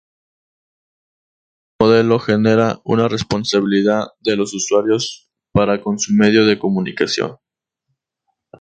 Este modelo genera una responsabilidad de los usuarios para con su medio de comunicación.